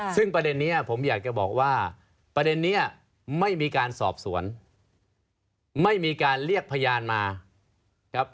ซึ่งประเด็นนี้ผมอยากจะบอกว่าประเด็นนี้ไม่มีการสอบสวนไม่มีการเรียกพยานมาครับ